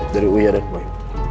dari uyadak boy